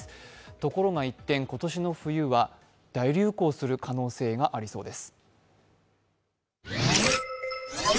ところが一転、今年の冬は大流行する可能性がありそうです。